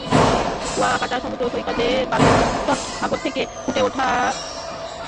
কুয়াকাটা সমুদ্রসৈকতের বালুতট সাগর থেকে ফুঁসে ওঠা জোয়ারের চাপে এবড়োখেবড়ো হয়ে গেছে।